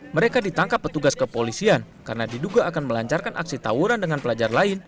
mereka ditangkap petugas kepolisian karena diduga akan melancarkan aksi tawuran dengan pelajar lain